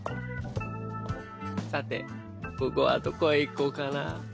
さて午後はどこへ行こうかな。